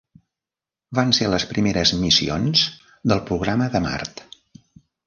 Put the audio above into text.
Van ser les primeres missions del programa de Mart.